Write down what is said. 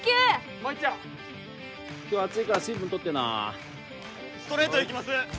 もう一丁今日暑いから水分とってなストレートいきます